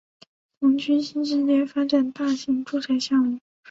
同区新世界发展大型住宅项目